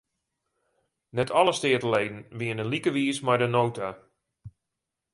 Net alle steateleden wienen like wiis mei de nota.